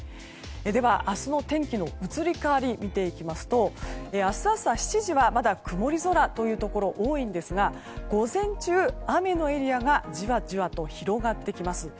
では、明日の天気の移り変わりを見ていきますと明日朝７時は曇り空というところが多いのですが午前中、雨のエリアがじわじわと広がってきます。